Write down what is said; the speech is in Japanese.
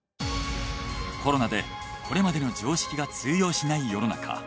コロナでこれまでの常識が通用しない世の中。